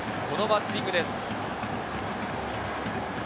このバッティングです。